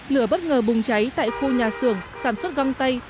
lửa bất ngờ bùng cháy tại khu nhà xưởng sản xuất găng tay